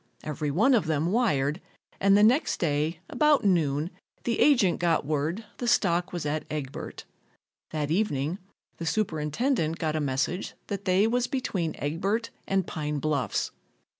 Every one of them wired and the next day about noon the agent got word the stock was at Egbert. That evening the superintendent got a message that they was between Egbert and Pine Bluffs.